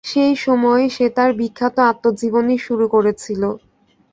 সেই সময়েই সে তার বিখ্যাত আত্মজীবনী শুরু করেছিল।